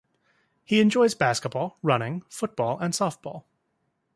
He enjoys basketball, running, football and softball.